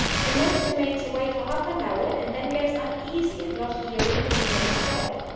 The nurse remains away for half an hour, and then gets uneasy at not hearing the invalid's bell.